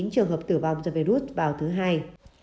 trường hợp tử vong do virus vào thứ hai